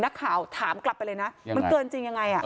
นักข่าวถามกลับไปเลยนะมันเกินจริงยังไง